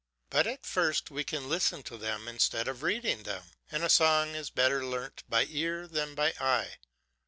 But at first we can listen to them instead of reading them, and a song is better learnt by ear than by eye.